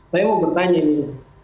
saya mau bertanya ini